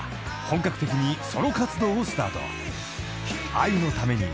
［『愛のために』